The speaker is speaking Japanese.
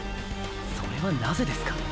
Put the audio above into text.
それはナゼですか？